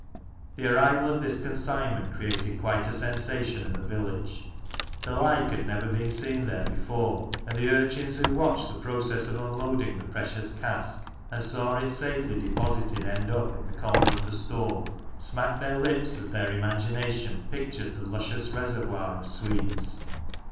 The arrival of this consignment created quite a sensation in the village ; the like had never been seen there before, and the urchins who watched the process of unloading the precious cask, and saw it safely deposited end up, in the comer of the store, smacked their lips as their imagination pictured the luscious reservoir of sweets.